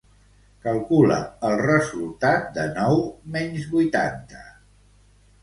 Calcula el resultat de nou menys vuitanta.